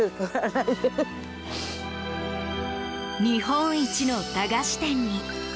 日本一の駄菓子店に。